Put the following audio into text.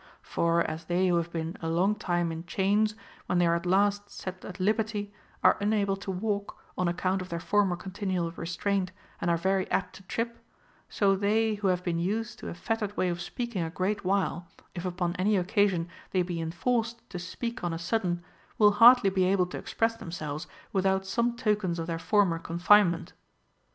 For as they who have been a long time in chains, when they are at last set at liberty, are unable to walk, on account of their former continual restraint, and are very apt to trip, so they who have been used to a fettered way of speaking a great while, if upon any occasion they be enforced to speak on a sudden, will hardly be able to express themselves without some tokens of their former confinement.